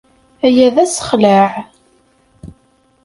Aya d asexlaɛ.